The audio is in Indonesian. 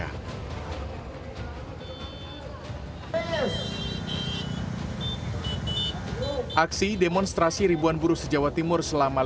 aksi demonstrasi ribuan buruh sejawa timur selama limau